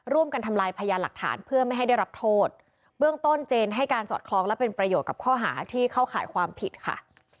ทำลายพยานหลักฐานเพื่อไม่ให้ได้รับโทษเบื้องต้นเจนให้การสอดคล้องและเป็นประโยชน์กับข้อหาที่เข้าข่ายความผิดค่ะ